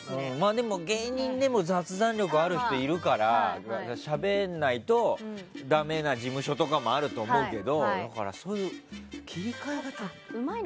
でも、芸人でも雑談力がある人はいるからしゃべらないとダメな事務所とかもあると思うけど切り替えがね。